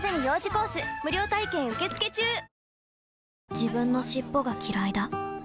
自分の尻尾がきらいだ